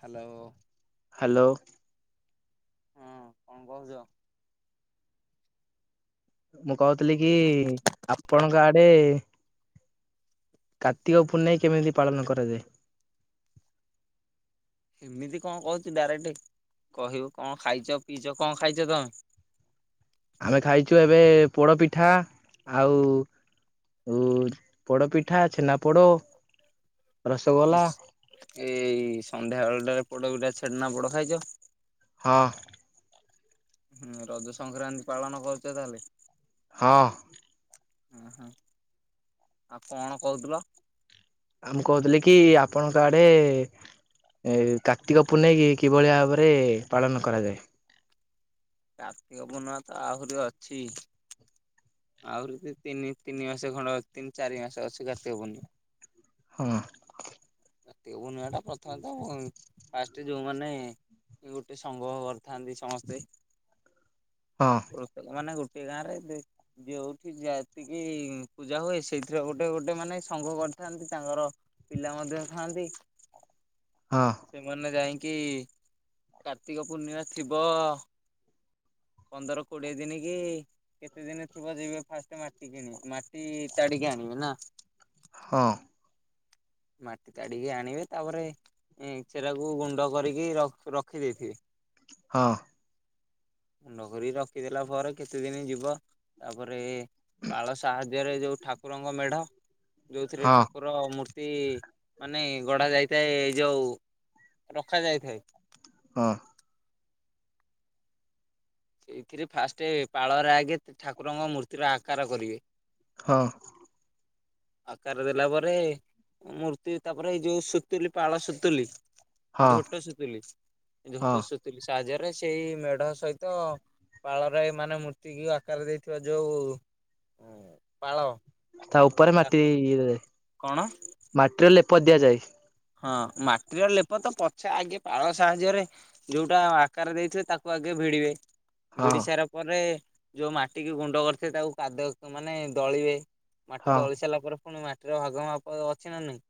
Hello. Hello. ହଁ କଣ କହୁଛ? ମୁଁ କହୁଥିଲି କି ଆପଣଙ୍କ ଆଡେ କାର୍ତ୍ତିକ ପୂର୍ଣେଇ କେମିତି ପାଳନ କରାଯାଏ? ଏମିତି କଣ କହୁଛୁ ଡାଇରେକ୍ଟ? କହିବୁ କଣ ଖାଇଛ ପିଇଛ କଣ ଖାଇଛ ତମେ? ଆମେ ଖାଇଛୁ ଏବେ ପୋଡ଼ ପିଠା। ଆଉ ଉ ପୋଡ଼ପିଠା, ଛେନା ପୋଡ଼, ରସଗୋଲା ଏଇ ସନ୍ଧ୍ୟା ବେଳଟାରେ ପୋଡ଼ ପିଠା, ଛେନା ପୋଡ଼ ଖାଇଛ? ହଁ। ହୁଁ ରଜ ସଂକ୍ରାନ୍ତି ପାଳନ କରୁଛ ତାହେଲେ? ହଁ। ଓହୋ। ଆଉ କଣ କହୁଥିଲ? ଆ ମୁଁ କହୁଥିଲି କି ଆପଣଙ୍କ ଆଡେ ଏ କାର୍ତ୍ତିକ ପୂର୍ଣ୍ଣେଇକି କିଭଳି ଭାବରେ ପାଳନ କରାଯାଏ? କାର୍ତ୍ତିକ ପୂର୍ଣ୍ମାମା ତ ଆହୁରି ଅଛି। ଆହୁରି ତେ ତିନି ତିନି ମାସ ଖଣ୍ଡେ ତିନି ଚାରି ମାସ ଅଛି କାର୍ତ୍ତିକ ପୂର୍ଣ୍ଣିମା। ହଁ। କାର୍ତ୍ତିକ ପୂର୍ଣ୍ଣିମା ଟା ପ୍ରଥମେ ତ ଫାଷ୍ଟ ଯୋଉମାନେ ଗୋଟେ ସଂଘ କରିଥାନ୍ତି ସମସ୍ତେ। ହଁ। ପ୍ରତ୍ୟେ-ମାନେ ଗୋଟିଏ ଗାଁ ରେ ଏବେ ଯୋଉଠି ଯେତିକି ପୂଜା ହୁଏ ସେଇଥିରେ ଗୋଟେ, ଗୋଟେ ମାନେ ସଂଙ୍ଗ କରିଥାନ୍ତି ତାଙ୍କର। ପିଲା ମଧ୍ୟ ଥାନ୍ତି। ହଁ। ସେମାନେ ଯାଇଙ୍କି, କାର୍ତ୍ତିକ ପୂର୍ଣ୍ଣିମା ଥିବ ପନ୍ଦର କୋଡିଏ ଦିନି କି କେତେ ଦିନି ଥିବ ଯିବେ ଫାଷ୍ଟ ମାଟି କିଣି। ମାଟି ତାଡିକି ଆଣିବେ ନା? ହଁ। ମାଟି ତାଡିକି ଆଣିବେ। ତାପରେ ସେରାକୁ ଗୁଣ୍ଡ କରିକି ରଖ୍ ରଖି ଦେଇଥିବେ। ହଁ। ଗୁଣ୍ଡ କରି ରଖିଦେଲା ପରେ କେତେ ଦିନ ଯିବ। ତାପରେ ପାଳ ସାହା ପୁଜାରେ ଯୋଉ ଠାକୁରଙ୍କ ମେଢ, ଯୋଉଥିରେ ହଁ ଠାକୁର ର ମୂର୍ତ୍ତି ମାନେ ଗଢା ଯାଇଥାଏ, ଏଇ ଯୋଉ ରଖାଯାଇଥାଏ। ହଁ। ସେଇଥିରେ ଫାଷ୍ଟ ପାଳରେ ଆଗେ ଠାକୁରଙ୍କ ମୂର୍ତ୍ତିର ଆକାର କରିବେ। ହଁ। ଆକାର ଦେଲା ପରେ। ମୂର୍ତ୍ତି ତାପରେ ଏଇ ଯୋଉ ସୁତୁଲି ପାଳ ସୁତୁଲି ହଁ ଝୋଟ ଶୁତୁଲି। ହଁ ଝୋଟ ଶୁତୁଲି ସାହାଯ୍ୟରେ ସେଇ ମେଢ ସହି ତ ପାଳ ରାଇ ମାନେ ମୂର୍ତ୍ତିକୁ ଆକାର ଦେଇଥିବା ଯୋଉ ହୁଁ ପାଳ ତା ଉପରେ ମାଟି, ତାକୁ ଇଏ କଣ ମାଟିର ଲେପ ଦିଆଯାଏ। ହଁ ମାଟିର ଲେପ ତ ପଛେ ଆଗେ ପାଳ ସାହାଯ୍ୟରେ ଯୋଉଟା ଆକାର ଦେଇଥିବେ ତାକୁ ଆଗେ ଭିଡିବେ। ହଁ ଭିଡି ସାରା ପରେ ଯୋଉ ମାଟିକୁ ଗୁଣ୍ଡ କରିଥିଏ ତାକୁ କାଦ ମାନେ ଦଳିବେ। ମାଟି ହଁ ଦଳି ସାରିଲା ପରେ, ଫୁଣି ମାଟିର ଭାଗ ମାପ ଅଛି ନା ନାହିଁ,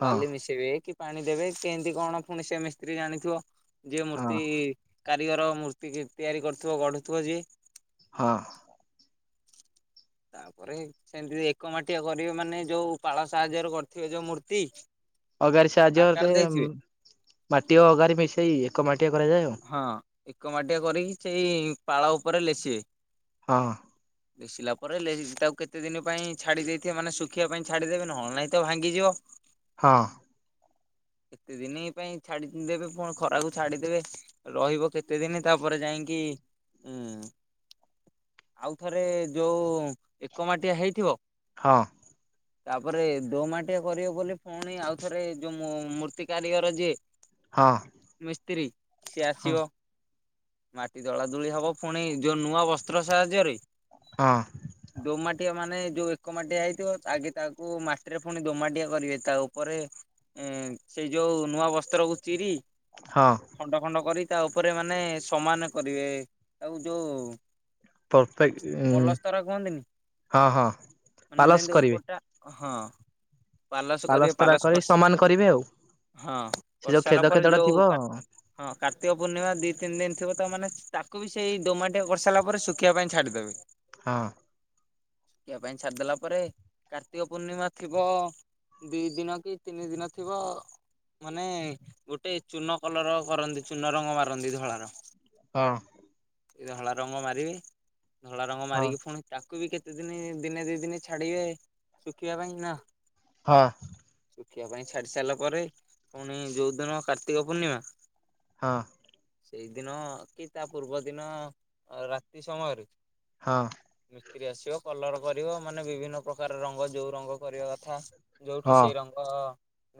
ହଁ ବାଲି ମିଶ ଇବେ କି ପାଣି ଦେବେ କେନ୍ତି କଣ ପୁଣି ସେ ମିସ୍ତ୍ରୀ ଜାଣିଥିବ ଯିଏ ହଁ। ମୂର୍ତ୍ତି କାରିଗର ମୂର୍ତ୍ତିକି ତିଆରି କରୁଥିବ ଗଢ଼ୁଥିବ ଯିଏ। ହଁ। ତା ପରେ ସେମିତି ଏକ ମାଟିଆ କରିବେ ମାନେ ଯୋଉ ପାଳ ସାହାଯ୍ୟରେ କରିଥିବେ ଯୋଉ ମୂର୍ତ୍ତି ଅଗାରି ଆକାର ସାହାଯ୍ୟରେ ଦେଇଥିବେ ମାଟି ଆ ଅଗାରି ମିଶେଇ ଏକ ମାଟିଆ କରାଯାଏ ଆଉ। ହଁ ଏକ ମାଟିଆ କରିକି ସେଇ ପାଳ ଓପରେ ଲେସିବେ। ହଁ। ସିଲା ପରେ ଲେ ତାକୁ କେତେ ଦିନ ପାଇଁ ଛାଡ଼ି ଦେଇଥିବ ମାନେ ଶୁଖିବା ପାଇଁ ଛାଡ଼ିଦେବେ ନହେଲେ ନାଇଁ ତ ଭାଙ୍ଗିଯିବ। ହଁ। କେତେ ଦିନି ପାଇଁ ଛାଡ଼ି ଦେବେ ପୁଣ ଖରାକୁ ଛାଡ଼ିଦେବେ। ରହିବ କେତେ ଦିନି ତାପରେ ଯାଇଙ୍କି ଉଁ ଆଉଥରେ ଯୋଉ ଏକ ମାଟିଆ ହେଇଥିବ [inaudible] ତାପରେ ଦୋମାଟିଆ କରିବ ବୋଲି ପୁଣି ଆଉ ଥରେ ଯୋଉ ମୁ ମୂର୍ତ୍ତି କାରିଗର ଯିଏ ହଁ। ମିସ୍ତ୍ରୀ। ସିଏ ହଁ ଆସିବ ମାଟି ଦଳା ଦୁଳି ହବ ଫୁଣି ଯୋଉ ନୂଆ ବସ୍ତ୍ର ସାହାଯ୍ୟରେ ହଁ। ଦୋମାଟିଆ ମାନେ ଯୋଉ ଏକ ମାଟିଆ ହେଇଥିବ ଆଗେ ତାକୁ ମାଟିରେ ପୁଣି ଦୋମାଟିଆ କରିବେ ତାଓ ପରେ ଇଁ ସେଇ ଯୋଉ ନୂଆ ବସ୍ତ୍ରକୁ ଚିରି ହଁ। ଖଣ୍ଡ ଖଣ୍ଡ କରି ତା ଓପରେ ମାନେ ସମାନ କରିବେ ତାକୁ ଯୋଉ ପରଫେକ୍ଟ ଉଁ ପଲସ୍ତର କୁହନ୍ତିନି ହଁ ହଁ ମାନେ ପାଲସ ଯେମିତି କରିବେ ଓପରଟା ହଁ। ପାଲସ କରିବେ ପାଲସ୍ତରା ପାଲସ୍ କରି କସ୍ ସମାନ କରିବେ ଆଉ ହଁ ସେ ଯୋଉ ଖେଦ କରିସାରିଲା ପରେ ଖେଦଡା ଥିବ ଯୋଉ ପା ହଁ କାର୍ତ୍ତିକ ପୂର୍ଣ୍ଣିମା ଦି ତିନି ଦିନ ଥିବ ତାମାନେ ତାକୁ ବି ସେଇ ଦୋମାଟିଆ କରିସାରିଲା ପରେ ସୁକ୍ କିବା ପାଇଁ ଛାଡ଼ିଦେବେ। ହଁ। ଖିବା ପାଇଁ ଛାଡ଼ିଦେଲା ପରେ କାର୍ତ୍ତିକ ପୂର୍ଣ୍ଣିମା ଥିବ ଦିଇ ଦିନ କି ତିନି ଦିନ ଥିବ ମାନେ ଗୋଟେ ଚୂନ କଲର କରନ୍ତି ଚୂନ ରଙ୍ଗ ମାରନ୍ତି ଧଳାର। ହଁ। ଧଳା ରଙ୍ଗ ମାରିବେ ଧଳା ରଙ୍ଗ ହଁ ମାରିକି ଫୁଣି ତାକୁ ବି କେତେ ଦିନି ଦିନେ ଦି ଦିନେ ଛାଡ଼ିବେ ଶୁଖିବା ପାଇଁ ନା। ହଁ। ଶୁଖିବା ପାଇଁ ଛାଡ଼ି ସାରିଲା ପରେ ଫୁଣି ଯୋଉ ଦିନ କାର୍ତ୍ତିକ ପୂର୍ଣ୍ଣିମା ହଁ। ସେଇଦିନ କି ତା ପୂର୍ବ ଦିନ ରାତି ସମୟରେ ହଁ। ମିସ୍ତ୍ରୀ ଆସିବ କଲର କରିବ ମାନେ ବିଭିନ୍ନ ପ୍ରକାର ରଙ୍ଗ ଯୋଉ ରଙ୍ଗ କରିବା କଥା। ଯୋଉଠି ହଁ ସେଇ ରଙ୍ଗ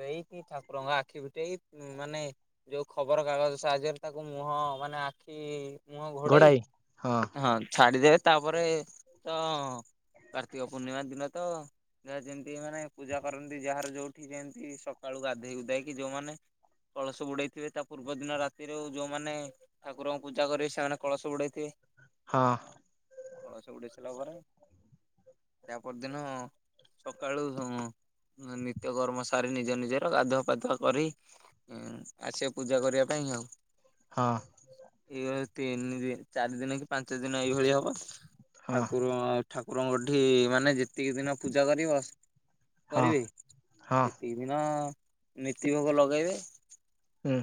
ଦେଇକି ଠାକୁରଙ୍କ ଆଖି ଫିଟେଇ ମାନେ ଯୋଉ ଖବର କାଗଜ ସାହାଯ୍ୟରେ ତାକୁ ମୁହଁ ମାନେ ଆଖି ମୁହଁ ଘୋଡ଼େଇ ହଁ ଛାଡ଼ିଦେବେ ତାପରେ ତ କାର୍ତ୍ତିକ ପୂର୍ଣ୍ଣିମା ଦିନ ତ ଯାହା ଯେମିତି ମାନେ ପୂଜା କରନ୍ତି ଯାହାର ଯୋଉଠି ଯେମତି ସକାଳୁ ଗାଧେଇ ଗୁଧାକି ଯୋଉମାନେ କଳସ ବୁଡ଼େ ଥିବେ ତା ପୂର୍ବ ଦିନ ରାତିରୁ ଯୋଉମାନେ ଠାକୁରଙ୍କୁ ପୂଜା କରିବେ ସେମାନେ କଳସ ବୁଡ଼େଇଥିବେ। ହଁ। କଳସ ବୁଡ଼େଇ ସାଇଲା ପରେ ତାପର ଦିନ ସକାଳୁ ହଁ ନିତ୍ୟ କର୍ମ ସାରି ନିଜ ନିଜର ଗାଧୁଆ ପାଧୁଆ କରି ଉ ଆସିବେ ପୂଜା କରିବା ପାଇଁ ଆଉ ହଁ ଏଇଭଳି ତିନି ଦ ଚାରି ଦିନ କି ପାଞ୍ଚ ଦିନ ଏଇଭଳି ହବ ହଁ ଠାକୁର ଠାକୁରଙ୍କଠି ମାନେ ଯେତିକି ଦିନ ପୂଜା କରିବ ହଁ କରିବେ ହଁ ସେ ସେ ଦିନ ନତି ଭୋଗ ଲଗେଇବେ। ହୁଁ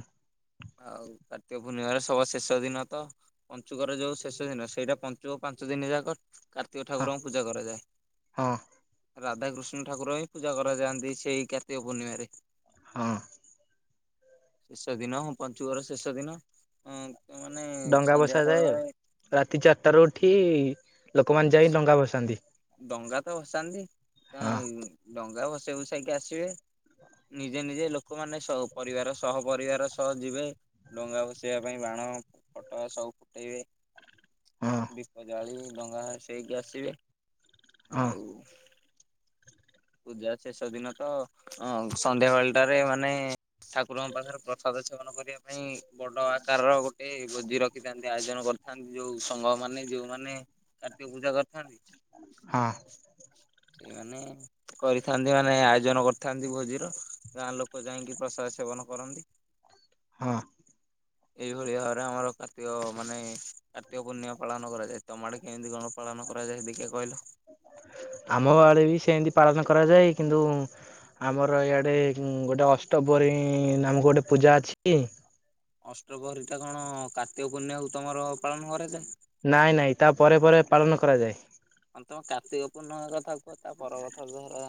ଆଉ କାର୍ତ୍ତିକ ପୂର୍ଣ୍ଣିମାର ସବା ଶେଷ ଦିନ ତ ପଞ୍ଚୁକର ଯୋଉ ଶେଷ ଦିନ ସେଇଟା ପଞ୍ଚୁକ ପାଞ୍ଚ ଦିନ ଯାକ କାର୍ତ୍ତିକ ହଁ ଠାକୁରଙ୍କୁ ପୂଜା କରାଯାଏ। ହଁ ରାଧାକୃଷ୍ଣ ଠାକୁର ହିଁ ପୂଜା କରାଯାଆନ୍ତି ସେଇ କାର୍ତିକ ପୂର୍ଣ୍ଣିମାାରେ ହଁ ଶେଷ ଦିନ ହଁ ପଞ୍ଚୁକର ଶେଷ ଦିନ। ମାନେ ଡଙ୍ଗା ସନ୍ଧ୍ୟା ଭସାଯାଏ ବେଳେ ଆଉ ରାତି ଚାରିଟାରୁ ଉଠି ଲୋକମାନେ ଯାଇ ଡଙ୍ଗା ଭସାନ୍ତି। ଡଙ୍ଗା ତ ଭସାନ୍ତି ହଁ ଡଙ୍ଗା ଭସେଇକୁ ସାରିକି ଆସିବେ। ନିଜେ ନିଜେ ଲୋକମାନେ ସ ପରିବାର ସହ ପରିବାର ସହ ଯିବେ। ଡଙ୍ଗା ଭସେଇବା ପାଇଁ ବାଣ ଫଟ ସବୁ ଫୁଟେଇବେ। ହଁ ଦୀପ ଜାଳି ଡଙ୍ଗା ସେଇକି ଆସିବେ ହଁ ଆଉ ପୂଜା ଶେଷ ଦିନ ତ ଅ ସନ୍ଧ୍ୟାବେଳଟାରେ ମାନେ ଠାକୁରଙ୍କ ପାଖରେ ପ୍ରସାଦ ଅ ସେବନ କରିବା ପାଇଁ ବଡ ଆକାର ର ଗୋଟେ ଭୋଜି ରଖିଥାନ୍ତି ଆୟୋଜନ କରିଥାନ୍ତି। ଯୋଉ ସଂଘ ମାନେ ଯୋଉମାନେ କାର୍ତ୍ତିକ ପୂଜା କରିଥାନ୍ତି। ହଁ ସେଇମାନେ। କରିଥାନ୍ତି ମାନେ ଆୟୋଜନ କରିଥାନ୍ତି ଭୋଜିର ଗାଁ ଲୋକ ଯାଇକି ପ୍ରସାଦ ସେବନ କରନ୍ତି। ହଁ ଏଇଭଳି ଭାବରେ ଆମର କାର୍ତିକ ମାନେ କାର୍ତିକ ପୂର୍ଣ୍ଣିମା ପାଳନ କରାଯାଏ ତମ ଆଡେ? କେମିତି ଗଣ ପାଳନ କରାଯାଏ ଦେଖିଆ କହିଲ। ଆମ ଆଡେ ବି ସେମତି ପାଳନ କରାଯାଏ କିନ୍ତୁ ଆମର ଇଆଡ଼େ ଗୋଟେ ଅଷ୍ଟପ୍ରରୀ ନାମକ ଗୋଟେ ପୂଜା ଅଛି। ଅଷ୍ଟପହରୀ ଟା କଣ କାର୍ତିକ ପୂର୍ଣ୍ଣିମାକୁ ତମର ପାଳନ କରାଯାଏ। ନାଇଁ ନାଇଁ ତା ପରେ ପରେ ପାଳନ କରାଯାଏ। ତମେ କାର୍ତ୍ତିକ ପୂର୍ଣ୍ଣମା କଥା କୁହ ତା ପର କଥା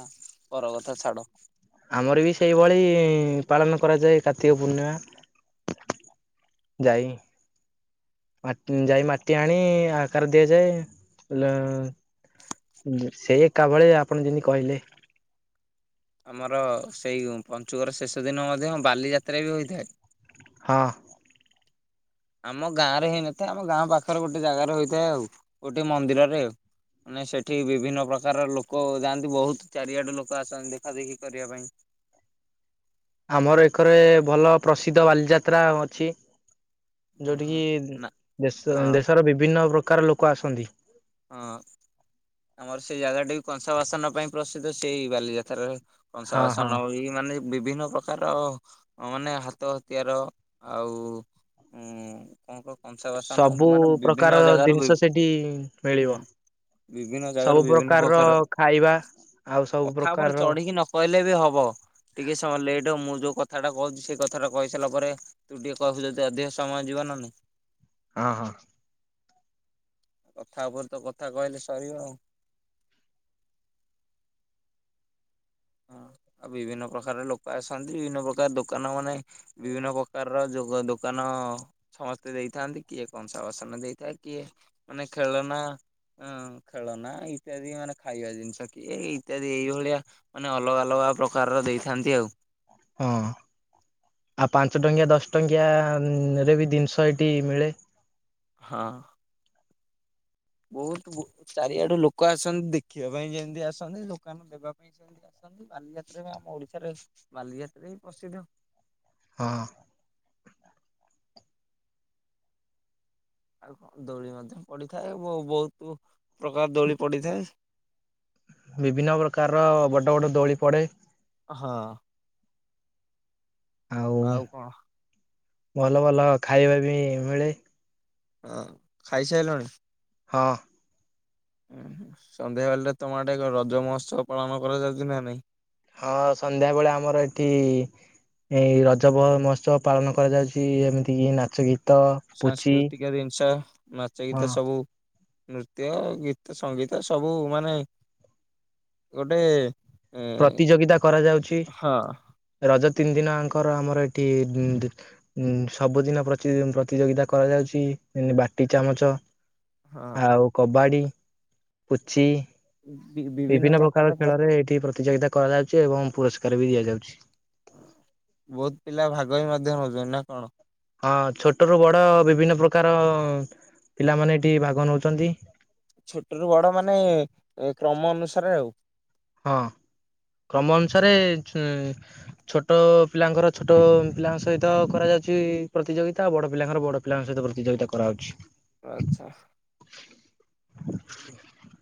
ପର କଥା ଛାଡ। ଆମର ବି ସେଇଭଳି ପାଳନ କରାଯାଏ କାର୍ତ୍ତିକ ପୂର୍ଣ୍ଣିମା। ଯାଇ ଯାଇ ମାଟି ଆଣି ଆକାର ଦିଆଯାଏ। ହେ ସେ ଏକା ଭଳେ ଆପଣ ଯେମିତି କହିଲେ ଆମର ସେଇ ପଞ୍ଚୁକର ଶେଷ ଦିନ ମଧ୍ୟ ବାଲିଯାତ୍ରା ବି ହୋଇଥାଏ। ହଁ ଆମ ଗାଁ ରେ ହେଇନଥାଏ ଆମ ଗାଁ ପାଖରେ ଗୋଟେ ଜାଗାରେ ହେଇଥାଏ ଆଉ ଗୋଟେ ମନ୍ଦିରରେ ଆଉ ମାନେ ସେଠି ବିଭିନ୍ନ ପ୍ରକାର ଲୋକ ଯାଆନ୍ତି ବହୁତ ଚାରିଆଡେ ଲୋକ ଆସନ୍ତି ଦେଖା ଦେେଖି କରିବା ପାଇଁ। ଆମର ଏକରେ ଭଲ ପ୍ରସିଦ୍ଧ ବାଲିଯାତ୍ରା ଅଛି। ଓହୋ। ଯୋଉଠିକି ନା ଦେଶ ହଁ ଦେଶର ବିଭିନ୍ନ ପ୍ରକାର ଲୋକ ଆସନ୍ତି। ହଁ ଆମର ସେଇ ଜାଗା ଟା ବି କଂସା ବାସନ ପାଇଁ ପ୍ରସିଦ୍ଧ ସେଇ ବାଲିଯାତ୍ରା। କଂସା ହଁ ହଁ। ବାସନ ବି ମାନେ ବିଭିନ୍ନ ପ୍ରକାର ମାନେ ହାତ ତିଆର ଆଉ ହୁଁ କଣ କ କଂସା ବାସନ ମାନେ ବିଭିନ୍ନ ଜାଗାରୁ ବି ମିଳିବା। ବିଭିନ୍ନ ଜାଗାରୁ ସବୁ ବିଭିନ୍ନ ପ୍ରକାରର ପ୍ରକାର ଖାଇବା ଆଉ ସବୁ କଥା ଉପରେ ପ୍ରକାରର ଚଢିକି ନ କହିଲେ ବି ହବ ଟିକେ ସମୟ ଲେଟ୍ ହ ମୁଁ ଯୋଉ କଥାଟା କହୁଛି ସେଇ କଥାଟା କହିସାରିଲା ପରେ। ତୁ ଟିକେ କହିବୁ ଯଦି ଅଧିକ ସମୟ ଯିବ ନା ନାଇଁ। ହଁ ହଁ। କଥା ଉପରେ ତ କଥା କହିଲେ ସରିବ ଆଉ। ହଁ ଆଉ ବିଭିନ୍ନ ପ୍ରକାର ଲୋକ ଆସନ୍ତି ବିଭିନ୍ନ ପ୍ରକାର ଦୋକାନ ମାନେ ବିଭିନ୍ନ ପ୍ରକାରର ଯ ଦୋକାନ ସମସ୍ତେ ଦେଇଥାନ୍ତି କିଏ କଂସା ବାସନ ଦେଇଥାଏ କିଏ ମାନେ ଖେଳନା ହଁ ଖେଳନା ଇତ୍ୟାଦି ମାନେ ଖାଇବା ଜିନିଷ କିଏ ଇତ୍ୟାଦି ଏଇଭଳିଆ। ମାନେ ଅଲଗା ଅଲଗା ପ୍ରକାରର ଦେଇଥାନ୍ତି ଆଉ। ହଁ ଆଉ ପାଞ୍ଚ ଟଙ୍କିଆ ଦଶ ଟଙ୍କିଆ ରେ ବି ଜିନିଷ ଏଠି ମିଳେ। ହଁ। ବହୁତ ବ ଚାରିଆଡୁ ଲୋକ ଆସନ୍ତି ଦେଖିବା ପାଇଁ ଯେମିତି ଆସନ୍ତି ଦୋକାନ ଦେବା ପାଇଁ ସେ ଆସନ୍ତି ବାଲିଯାତ୍ରା ଆମ ଓଡିଶାରେ ବାଲିଯାତ୍ରା ହିଁ ପ୍ରସିଦ୍ଧ। ହଁ ହଁ। ଆଉ କଣ ଦୋଳି ମଧ୍ୟ ପଡିଥାଏ ବହୁତ ପ୍ରକାର ଦୋଳି ପଡିଥାଏ। ବିଭିନ୍ନ ପ୍ରକାରର ବଡ଼ ବଡ଼ ଦୋଳି ପଡ଼େ। ହଁ। ଆଉ କଣ? ଭଲ ଭଲ ଖାଇବା ବି ମିଳେ। ହଁ ଖାଇସାଇଲାଣି? ହଁ। ଉଁ ସନ୍ଧ୍ୟାବେଳେ ତମର ଟେ ରଜ ମହୋତ୍ସବ ପାଳନ କରାଯାଉଛି ନା ନାଇଁ। ହଁ ସନ୍ଧ୍ୟାବେଳେ ଆମର ଏଠି ଏଇ ରଜ ମହୋତ୍ସବ ପାଳନ କରାଯାଉଛି ଏମିତି କି ନାଚ ଗୀତ ପୁଚି ସାଂସ୍କୃତିକ ଜିନିଷ ନାଚ ହଁ ଗୀତ ସବୁ ନୃତ୍ୟ ଗୀତ ସଙ୍ଗୀତ ସବୁ ମାନେ ଗୋଟେ ଏ ପ୍ରତିଯୋଗିତା କରାଯାଉଛି ହଁ ରଜ ତିନି ଦିନଙ୍କର ଆମର ଏଠି ଉ ସବୁଦିନ ପ୍ରତି ପ୍ରତିଯୋଗିତା କରାଯାଉଛି ବାଟି ଚାମଚ ହଁ ଆଉ କବାଡ଼ି, ପୁଚି ବିଭିନ୍ନ ପ୍ରକାରର ପ୍ରକାର ପ୍ର ଖେଳରେ ଏଠି ପ୍ରତି ଯୋଗିତା କରାଯାଉଚି ଏବଂ ପୁରସ୍କାର ବି ଦିଆଯାଉଛି। ବୋହୁତ୍ ପିଲା ଭାଗ ବି ମଧ୍ୟ ନୋଉଛନ୍ତି ନା କଣ? ହଁ ଛୋଟ ରୁୁ ବଡ଼ ବିଭିନ୍ନ ପ୍ରକାର ପିଲାମାନେ ଏଠି ଭାଗ ନୋଉଛନ୍ତି। ଛୋଟ ରୁୁ ବଡ଼ ମାନେ କ୍ରମ ଅନୁସାରେ ଆଉ। ହଁ କ୍ରମ ଅନୁସାରେ ଛୁ ଛୋଟ ପିଲାଙ୍କର ଛୋଟ ପିଲାଙ୍କ ସହିତ କରାଯାଉଛି ପ୍ରତି ଯୋଗିତା ବଡ଼ ପିଲାଙ୍କର ବଡ଼ ପିଲାଙ୍କ ସହିତ ପ୍ରତି ଯୋଗିତା କରାହୋଉଛି। ଆଚ୍ଛା। [inaudible]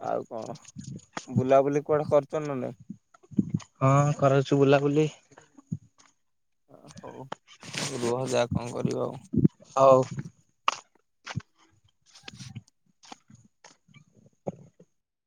ଆଉ କଣ ବୁଲାବୁଲି କୁଆଡ଼େ କରିଚନ୍ତି ନା ନାହିଁ? ହଁ କରୁଛୁ ବୁଲାବୁଲି। ଆ ହଉ ରୁହ ଯା କଣ କରିବ ଆଉ? ହଉ। [inaudible]